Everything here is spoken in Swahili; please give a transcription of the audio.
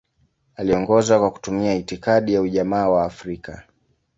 Aliongoza kwa kutumia itikadi ya Ujamaa wa Afrika.